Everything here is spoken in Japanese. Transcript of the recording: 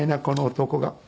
この男が。